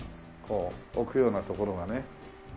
置くような所がね。